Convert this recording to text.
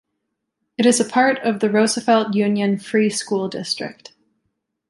It is a part of the Roosevelt Union Free School District.